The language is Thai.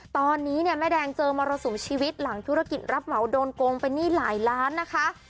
ตอนนี้เนี่ยแม่แดงเจอมรสุมชีวิตหลังธุรกิจรับเหมาโดนโกงเป็นหนี้หลายล้านนะคะ